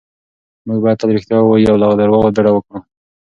موږ باید تل رښتیا ووایو او له درواغو ډډه وکړو.